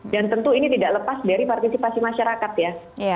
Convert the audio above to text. dan tentu ini tidak lepas dari partisipasi masyarakat ya